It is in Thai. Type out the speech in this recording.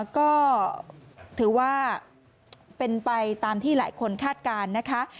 ก็ถือว่าเป็นไปตามที่หลายคนคาดการณ์นะคะ